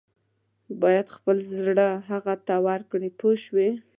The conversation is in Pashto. باید خپل زړه هغه ته ورکړې پوه شوې!.